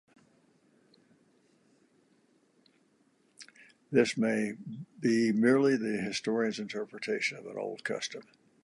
This may be merely the historian's interpretation of an old custom.